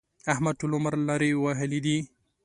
احمد ټول عمر لارې وهلې دي.